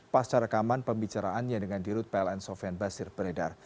pasca rekaman pembicaraannya dengan dirut pln sofian basir beredar